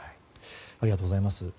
ありがとうございます。